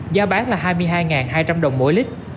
giá bán là hai mươi hai hai trăm linh đồng mỗi lít